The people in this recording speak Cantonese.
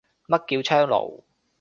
乜叫窗爐